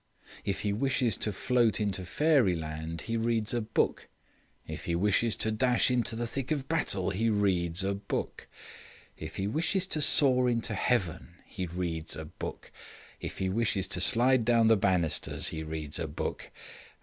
If he wishes to float into fairyland, he reads a book; if he wishes to dash into the thick of battle, he reads a book; if he wishes to soar into heaven, he reads a book; if he wishes to slide down the banisters, he reads a book.